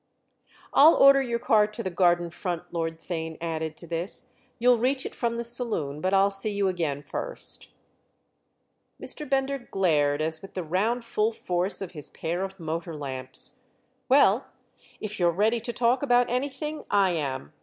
"I'll order your car to the garden front," Lord Theign added to this; "you'll reach it from the saloon, but I'll see you again first." Mr. Bender glared as with the round full force of his pair of motor lamps. "Well, if you're ready to talk about anything, I am.